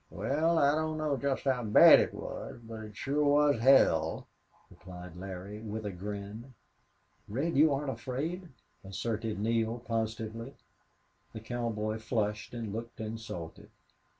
"Wal, I don't know jest how bad it was, but it shore was hell," replied Larry, with a grin. "Red, you aren't afraid," asserted Neale, positively. The cowboy flushed and looked insulted.